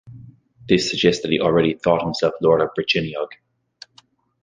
This suggests that he already thought himself lord of Brycheiniog.